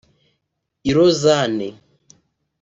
i Lausanne